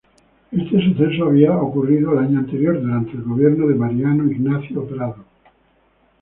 Este suceso había ocurrido el año anterior, durante el gobierno de Mariano Ignacio Prado.